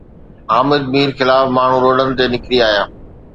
حامد مير خلاف ماڻهو روڊن تي نڪري آيا